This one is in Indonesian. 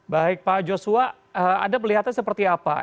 baik pak joshua anda melihatnya seperti apa